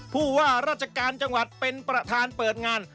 ผู้ว่าราชการจังหวัดเป็นประธานเปิดงาน